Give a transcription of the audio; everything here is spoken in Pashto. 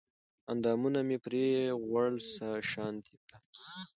اندامونه مې پرې غوړ شانتې کړل